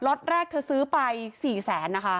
็อตแรกเธอซื้อไป๔แสนนะคะ